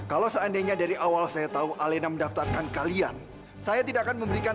alena sangat berani mengatakan untuk ikut urusan